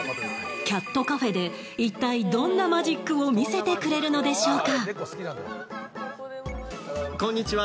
キャットカフェで一体どんなマジックを見せてくれるのでしょうか。